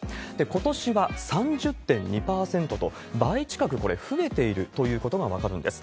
ことしは３０．２％と、倍近く、これ増えているということが分かるんです。